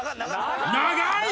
長い！